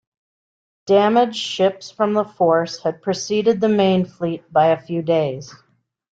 Damaged ships from the force had preceded the main fleet by a few days.